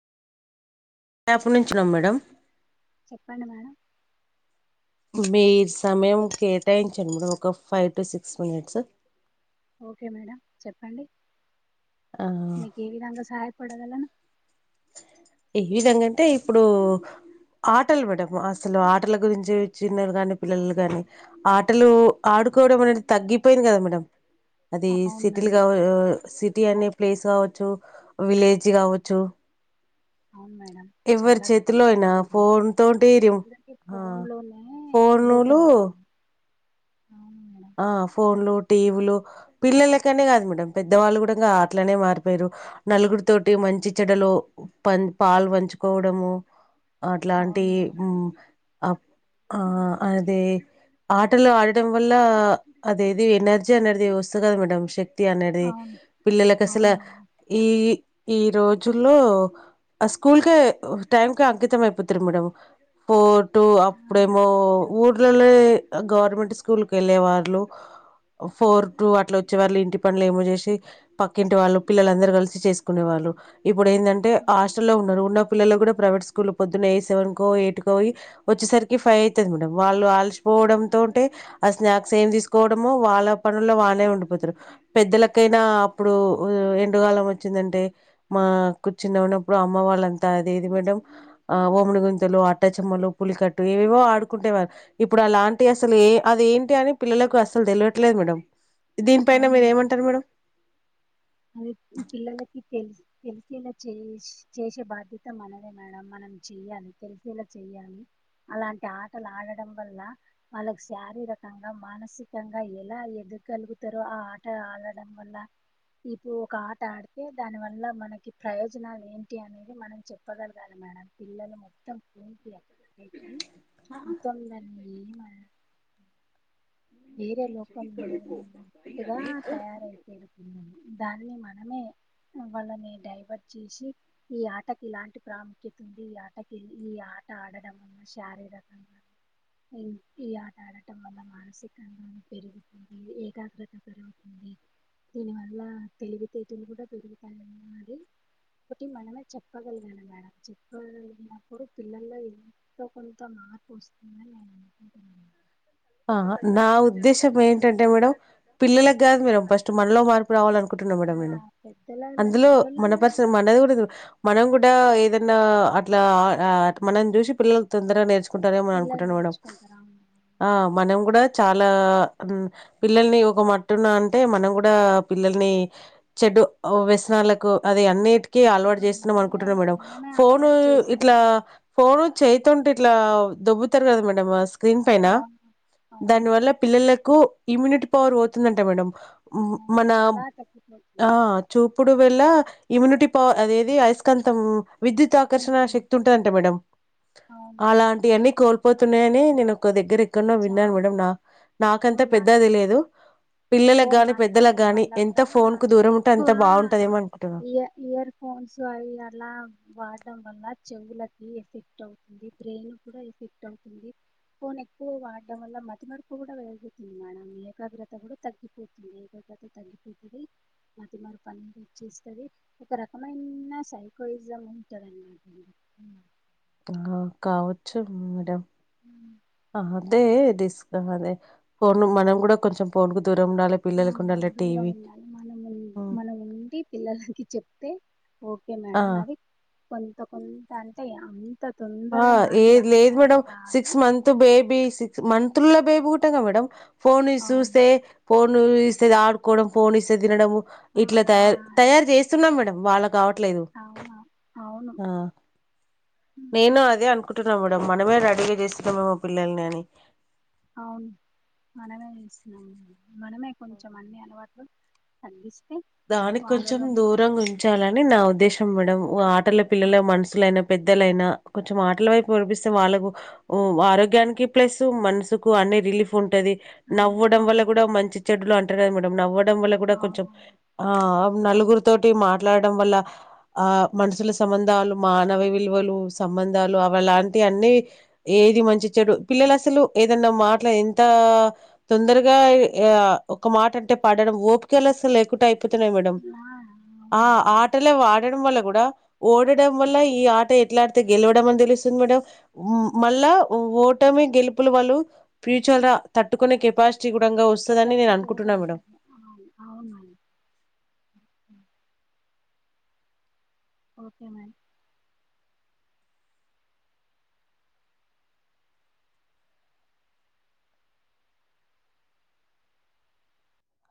పు నుంచునం మేడం చెప్పండి మేడం మీ సమయం కేటాయించండి మేడం ఒక five to six minutes okay madam చెప్పండి ఆ మీకు ఏవిధంగా సహయపడగలను ఏ విధంగాంటే ఇప్పుడు ఆటలు మేడం అసలు ఆటల గురించి చిన్నలు కాని పిల్లలు కాని ఆటలు ఆడుకోవడం అనేది తగ్గిపోయింది కదా మేడం అది అవును మేడం సిటీలుగా సిటీ అనే ప్లేస్ కావచ్చు విలేజ్ కావచ్చు అవును మేడం ఎవరి చాలా చేతిలో అయినా తగ్గిపోయింది ఫోన్ తోటి రిమ్ ఇప్పుడైతే ఆ ఫోన్ లోనే లోకమే ఫోనులు అవును మేడం ఆ ఫోన్లు టీవీలు పిల్లలకనే కాదు మేడం పెద్దవాళ్ళు కూడా ఆట్లానే మారిపోయారు నలుగురి తోటి మంచి చెడలు ప పాలు పంచుకోవడము అట్లాంటి అవును మేడం మ్ ఆ ఆ అది ఆటలు ఆడటం వల్ల ఇలా అదేది ఎనర్జీ అనేది వస్తు కదా మేడం శక్తి అనేది అవును పిల్లలలకు అవును అసలు మేడం ఈ ఈ రోజుల్లో ఆ స్కూల్కే టైంక అంకితం అయిపోతుారు మేడం ఫోర్ టు ఆ, అప్పుడేమో ఊ గవర్మెంట్ స్కూల్ వెళ్ళే వాళ్ళు ఫోర్ టు అట్ల వచ్చే వాళ్ళ ఇంటి పనులు ఏమో చేసి పక్కింటి వాళ్ళు పిల్లలందరు కలిసి చేసుకునే వాళ్ళు ఇప్పుడు ఏంటే హాస్టల్లో ఉన్నారు ఉన్న పిల్లలు కూడా ప్రైవేట్ స్కూల్ పొదున్నయి సెవెన్ కో ఎయిట్ కో వచ్చేసరికి ఫైవ్ అవుతుది మ్యాడంమ్ళ్ళ ఆ, మర్చిపోవడంతోంటే ఆ స్నాక్స్ ఏమి తీసుకోవడమో వాళ్ళ పనుల్లో వాళ్ళే ఉండిపోతరు. పెద్దలకైనా అప్పుడు ఎండుగాలం వచ్చిందంటే మా కూర్చుని ఉన్నప్పుడు అమ్మ వాళ్ళంతా అది ఏది మేడమ్ ఆ ఓమడిగుంతలు అట్టా చెమ్మలు పులికట్టు ఏవేవో ఆడుకుంటేవారు ఇప్పుడు అలాంటియి అసలు ఏ అదేంటి అని పిల్లలకు అస్సలు తెలవట్లేదు మేడం దీనిపైన మీరు ఏమంటారు మేడం అది పిల్లలకి తెలుసు తెలిసేలా చేస్ చేసే బాధ్యత మనదే మేడం మనం చెయ్యాలి. తెలిసేలా చెయ్యాలి. అలాంటి ఆటలు ఆడడం వల్ల వాళ్ళకు శారీరకంగా మానసికంగా ఎలా ఎదగలుగుతారో ఆ ఆట ఆడడం వల్ల ఇప్పుడు ఒక ఆట ఆడితే దానివల్ల మనకి ప్రయోజనాలు ఏంటి అనేది మనం చెప్పగలగాలి మేడం పిల్లలు మొత్తం అయితే దాన్ని ఏమ వేరే లోకం లే టుగా తయారైపోరుతుది దాన్ని మనమే వాళ్ళని డైవర్ట్ చేసి ఈ ఆటకి ఇలాంటి ప్రాముఖ్యత ఉంది ఈ ఆటకి ఈ ఆట ఆడటం వల్ల శారీరకంగా ఈ ఆట ఆడటం వల్ల మానసిక పెరుగుతుంది ఏకాగ్రత పెరుగుతుంది. దీని వల్ల తెలివితేటలు కూడా పెరుగుతాయిన్నది ఒకటి మనమే చెప్పగలగాలి మేడం చెప్పినప్పుడు పిల్లల్లో ఎంతో కొంత మార్పు వస్తుందని నేను ఆహ నా ఉద్దేశం ఏంటంటే మేడం పిల్లలకి గాదు మేడం ఫస్ట్ మనలో మార్పు రావాలను కుంటున్నా మేడం ఆ, నేను పెద్దల అందులో మన పెద్దలలో పర్స రా మనది కూడా మనం కూడా ఏదన్నా అట్లా ఆ మనం చూసి పిల్లలు తొందరగా నేర్చ కుంటారేమని పిల్లలు అనుకుంటాను మేడం నేర్చుకుంటారా అవును. ఆ మనం కూడా చాలా పిల్లల్ని ఒక మటున్న అంటే మనం కూడా పిల్లల్ని చెడు వ్యసనాలకు అది అన్ని కి అలవాటు చేస్తున్నాం మనమే అనుకుంటున్నా మేడం మనమే ఫోను అలవాటు ఇట్లా చేస్తున్నాం ఫోను చైతుంటే ఇట్లా దొబ్బుతారు కదా మేడం మాస్ స్క్రీన్ పైన అవును దాని అవును వల్ల పిల్లల ఇమ్యూనిటీ పవర్ పోతుందంటా మేడ అవును మన చాలా ఆ తగ్గిపోతుంది చూపుడు ఇప్పుడు వల్ల ఇమ్యూనిటీ పవర్ అదేది అయస్కాంతం విద్యుత్ ఆకర్షణ ఉంటుంది శక్తి ఉంటుందంట మేడం అవునవును అలాంటి అన్ని కోల్పో పోతున్నాయని నేను ఒక దగ్గర ఎక్కడనో విన్నాను చాలా మేడం నా నాకంతా ఫోన్ మా పెద్ద అది లేదు ఫోన్ మాట్లాడటడం వల్ల కూడా ఫోన్‌కు దూరం ఉంటే ఎక్కువ అంత బావుంటదేమో అనుకుంటున్నా. ఇయ ఇయర్ ఫోన్స్ అవి అలా వాడటడం వల్ల చెవులకి ఎఫెక్ట్ అవుతుంది బ్రెయిన్ కూడా ఎఫెక్ట్ అవుతుంది ఫోన్ ఎక్కువ వాడడం వల్ల మతి నడుపు కూడా వెేగుతుంది మేడం ఏకాగ్రత కూడా తగ్గి తగ్గిపోతుంది ఏద తతే తగ్గిపోతుంది మతిమారు పని వచ్చేస్తుంది ఒక రకమైన సైకోయిజం ఉంటుంది అన్నమాటండి ఆ ఉమ్ ఆహా అంతే తీసుకు అదే ఫోన్ మనం కూడా కొంచెం ఫోన్ ఆ దూరం ఉండాలి మనం హ్మ్. మనం ఉండి పిల్లలకి చెప్తే ఓకే ఆ! మేడం అది కొంత కొంత అంటే అ ఆ ఏది లేదు మేడమ్ రాదు six month baby six month month బేబీలో పుట్టిన ఉంటా మేడం ఫోన్ అవును చూస్తే పోన్ ఫోన్ ఇస్తే ఫోన్ ఇస్తేఆడుకోవడం ఫోన్ ఇస్తే తినడము ఆ ఇట్లా తయారు తయారు చేస్తున్నాం మేడం వాళ్ళ కావట్లేదు అవునా అవును ఆ నేను అదే అనుకుంటున్నాం మేడం మనమే రెడీగా చేస్తున్నాం ఏమో పిల్లల్ని అని అవును మనమే చేసికు మనమే ఆ కొంచెం అన్ని అలవాట్లు తగ్గి దానికి కొంచెం దూరంగా ఉంచాలని నా ఉద్దేశం మేడం వాట్ పిల్ల పిల్లల ఏం అవును అంటున్న లేనప్ పెద్దలైనా కొంచెం ఆటల వైపు వినిపిస్తే వాళ్ళకు ఆరోగ్యానికి ప్లస్ మనసుకు అన్ని రిలీఫ్ ఉంట ఉంటది అన్ని నవ్వడం వల్ల అవును కూడా మంచి చెడ్లోఅంటారు కద మేడం నవ్వ నవ్వడం. వల్ల కూడా కొంచెం అవునవును నలుగురుతోటి మాట్లాడడం వల్ల ఆ మనుషుల సంబంధాలు మానవ విలువలు, సంబంధాలు అవిలాంటి అన్ని ఏది మంచి చెడు, పిల్లలు అసలు ఏదన్నా మాటలా, ఎంత తొందరగాఎ ఒక మాట అంటే పాడడం. ఓపికలు అసలు లేకుండా తిన్నాయి మేడం ఆ ఆ అవునవును ఆటలే వాడడం వల్ల ఓడట వల్ల ఈ ఆట ఎట్లాడితే గెలవడం అని తెలుస్తుంది మేడం మళ్ళా ఓటమే గెలుపులు వాళ్ళు ఫ్యూచర్ తట్టుకునే కెపాసిటీ కూడాంగా వస్తుందని నేను కెపాసిటీ కూడా అనుకుంటున్నాను మేడం ఉంటది కద అవునండి అ ఓకే మేడం